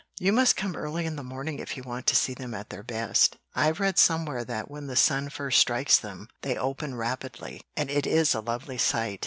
"You must come early in the morning if you want to see them at their best. I've read somewhere that when the sun first strikes them they open rapidly, and it is a lovely sight.